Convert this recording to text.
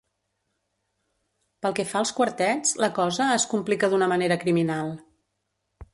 Pel que fa als quartets, la cosa es complica d'una manera criminal.